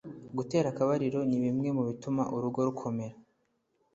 Gutera akabariro nibimwe mubituma urugo rukomera